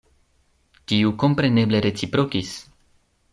Tiu kompreneble reciprokis.”